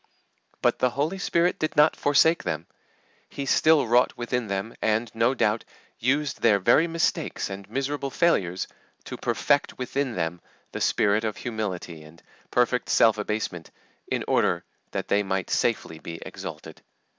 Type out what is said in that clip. But the Holy Spirit did not forsake them. He still wrought within them, and, no doubt, used their very mistakes and miserable failures to perfect within them the spirit of humility and perfect self abasement in order that they might safely be exalted.